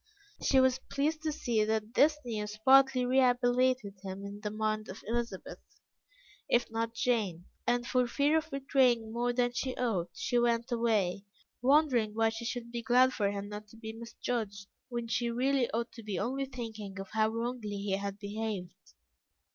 She was pleased to see that this news partly rehabilitated him in the mind of Elizabeth, if not of Jane; and for fear of betraying more than she ought, she went away, wondering why she should be glad for him not to be misjudged, when she really ought to be only thinking of how wrongly he had behaved.